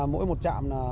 mỗi một trạm